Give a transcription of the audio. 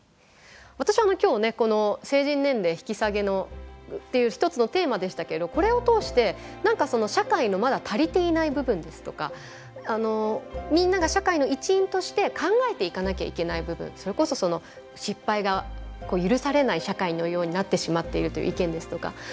私は今日ねこの成人年齢引き下げっていう一つのテーマでしたけどこれを通して何かその社会のまだ足りていない部分ですとかみんなが社会の一員として考えていかなきゃいけない部分それこそその失敗が許されない社会のようになってしまっているという意見ですとか。